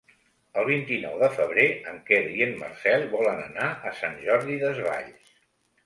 El vint-i-nou de febrer en Quer i en Marcel volen anar a Sant Jordi Desvalls.